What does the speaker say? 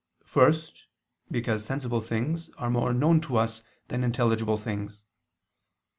First, because sensible things are more known to us, than intelligible things.